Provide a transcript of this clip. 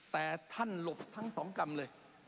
แต่ท่านหลบทั้งสองกรรมเลย